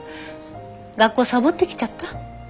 学校さぼってきちゃった？